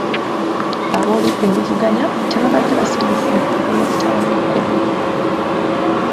Abooludda olumuvuganya tebaabadde basanyufu olw'obutabanguko bwe.